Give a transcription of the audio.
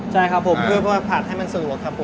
ใช่ครับครับผมเพื่อผัดให้มันสะหรับครับ